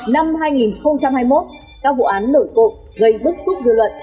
năm hai nghìn hai mươi một các vụ án nổi cộng gây bức xúc dư luận